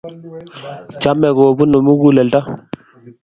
chamee kobunuu mukuleldo